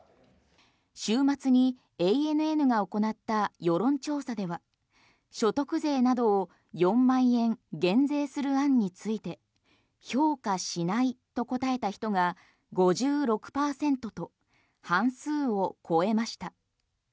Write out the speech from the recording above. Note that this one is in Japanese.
週末にＡＮＮが行った世論調査では所得税などを４万円減税する案について評価しないと答えた人が５６％と半数を超えました。